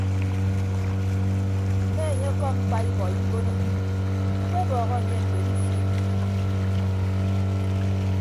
Mme enye ọkọm mkpa ibọi mbono mkpebọhọ anye ndomo ifiid nnịm.